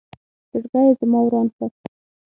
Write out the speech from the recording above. زړګې یې زما وران کړ